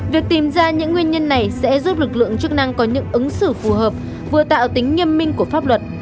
việc tìm ra những nguyên nhân này sẽ giúp lực lượng chức năng có những ứng xử phù hợp vừa tạo tính nghiêm minh của pháp luật